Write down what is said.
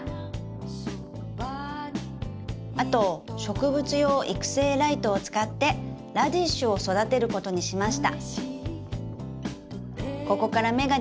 あと植物用育成ライトを使ってラディッシュを育てることにしました！」。